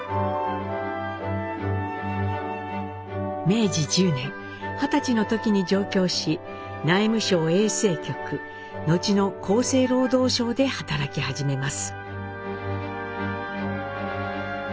明治１０年二十歳の時に上京し内務省衛生局後の厚生労働省で働き始めます。